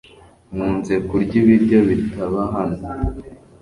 Nkunze kurya ibiryo bitaba hano .